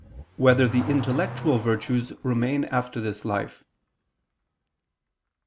2] Whether the Intellectual Virtues Remain After This Life?